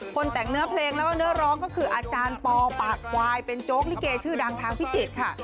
แต่งเนื้อเพลงแล้วก็เนื้อร้องก็คืออาจารย์ปอปากควายเป็นโจ๊กลิเกชื่อดังทางพิจิตรค่ะ